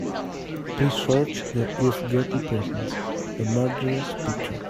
Please search the Irv Gotti Presents: The Murderers picture.